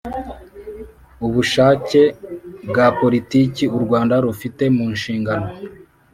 Ubushake bwa Politiki u Rwanda rufite mu nshingano